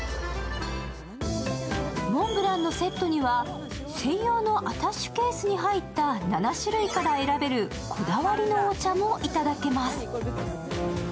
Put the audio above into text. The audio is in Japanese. モンブランのセットには専用のアタッシェケースに入った７種類から選べるこだわりのお茶も頂けます。